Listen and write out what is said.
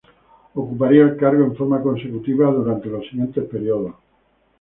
Ocuparía el cargo en forma consecutiva durante los siguientes períodos.